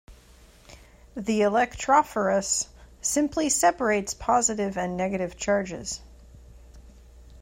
The electrophorus simply separates positive and negative charges.